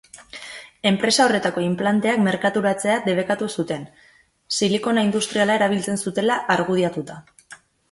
Enpresa horretako inplanteak merkaturatzea debekatu zuten, silikona industriala erabiltzen zutela argudiatuta.